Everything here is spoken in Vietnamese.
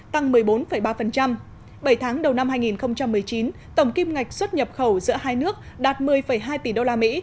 tăng một mươi bốn ba bảy tháng đầu năm hai nghìn một mươi chín tổng kim ngạch xuất nhập khẩu giữa hai nước đạt một mươi hai tỷ đô la mỹ